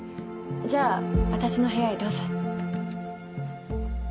じゃあ私の部屋へどうぞ。